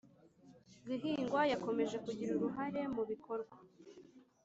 guhigwa Yakomeje kugira uruhare mu bikorwa